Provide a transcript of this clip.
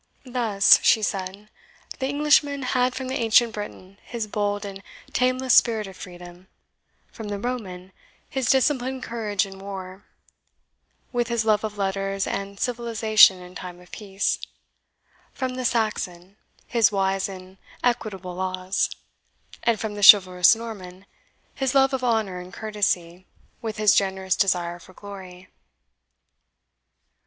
Thus," she said, "the Englishman had from the ancient Briton his bold and tameless spirit of freedom; from the Roman his disciplined courage in war, with his love of letters and civilization in time of peace; from the Saxon his wise and equitable laws; and from the chivalrous Norman his love of honour and courtesy, with his generous desire for glory."